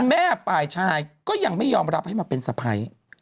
แม่ฝ่ายชายก็ยังไม่ยอมรับให้มาเป็นสะพ้าย